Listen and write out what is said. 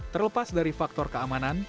terlepas dari faktor keamanan